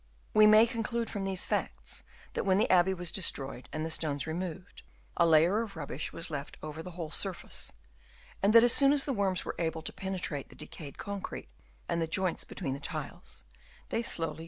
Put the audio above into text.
We may conclude from these facts that when the abbey was destroyed and the stones removed, a layer of rubbish was left over the whole surface, and that as soon as the worms were able to penetrate the decayed concrete and the joints between the tiles, they slowly Chap.